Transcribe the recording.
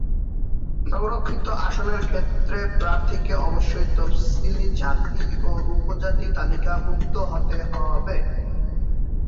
সংরক্ষিত আসনের ক্ষেত্রে প্রার্থীকে অবশ্যই তফসিলি জাতি বা উপজাতি তালিকাভুক্ত হতে হবে।